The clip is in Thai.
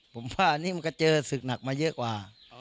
ผมว่าอันนี้มันก็เจอศึกหนักมาเยอะกว่า